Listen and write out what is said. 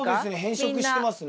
変色してますね。